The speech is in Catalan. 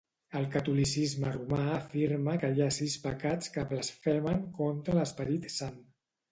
El catolicisme romà afirma que hi ha sis pecats que blasfemen contra l'Esperit Sant.